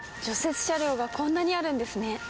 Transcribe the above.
雪車両がこんなにあるんですね。